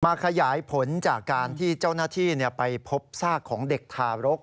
ขยายผลจากการที่เจ้าหน้าที่ไปพบซากของเด็กทารก